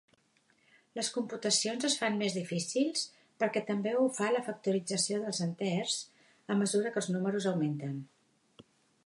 Les computacions es fan més difícils, perquè també ho fa la factorització dels enters, a mesura que els números augmenten.